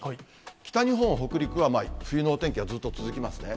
北日本、北陸は冬のお天気がずっと続きますね。